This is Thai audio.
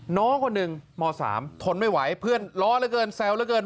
น้องคนหนึ่งม๓ทนไม่ไหวเพื่อนล้อเหลือเกินแซวเหลือเกิน